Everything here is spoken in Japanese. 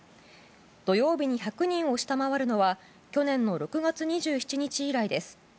土曜日に１００人を下回るのは去年の６月２７日以来です。